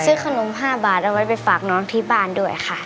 ซื้อขนม๕บาทเอาไว้ไปฝากน้องที่บ้านด้วยค่ะ